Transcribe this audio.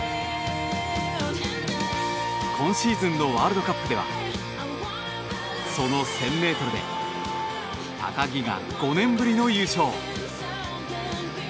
今シーズンのワールドカップではその１０００ｍで高木が５年ぶりの優勝。